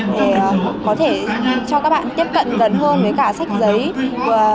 để có thể cho các bạn tiếp cận gần hơn với cả sách giấy